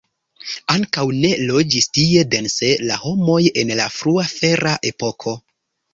Ankaŭ ne loĝis tie dense la homoj en la frua fera epoko.